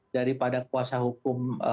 daripada kuasa hukum